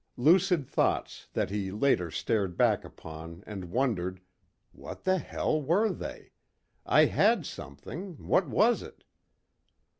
Lucid thoughts that he later stared back upon and wondered, "What the hell were they? I had something, what was it?"